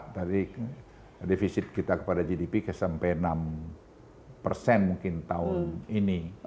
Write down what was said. tadi defisit kita kepada gdp sampai enam persen mungkin tahun ini